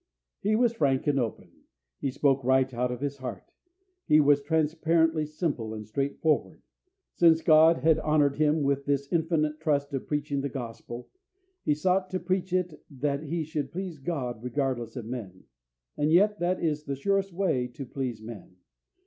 He was frank and open. He spoke right out of his heart. He was transparently simple and straightforward. Since God had honoured him with this infinite trust of preaching the Gospel, he sought to so preach it that he should please God regardless of men. And yet that is the surest way to please men.